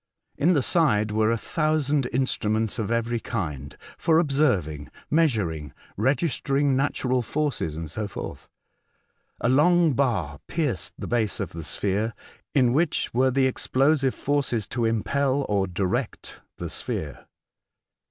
In the side were a thousand instruments of every kind for observing, measuring, registering natural forces, and so forth. A long bar pierced the base of the sphere in which were the explosive forces to impel or direct the sphere.